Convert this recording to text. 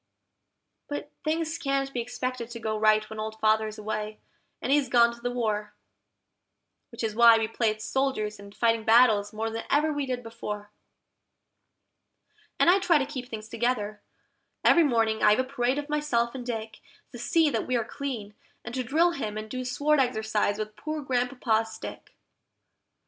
But things can't be expected to go right when Old Father's away, and he's gone to the war; Which is why we play at soldiers and fighting battles more than ever we did before. And I try to keep things together: every morning I have a parade of myself and Dick, To see that we are clean, and to drill him and do sword exercise with poor Grandpapa's stick.